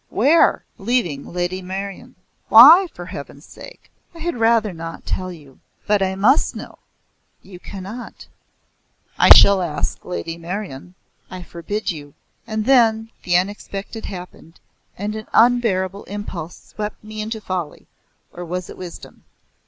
Where?" "Leaving Lady Meryon." "Why for Heaven's sake?" "I had rather not tell you." "But I must know." "You cannot." "I shall ask Lady Meryon." "I forbid you." And then the unexpected happened, and an unbearable impulse swept me into folly or was it wisdom?